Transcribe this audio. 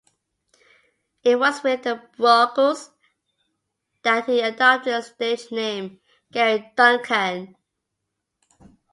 It was with The Brogues that he adopted the stage name Gary Duncan.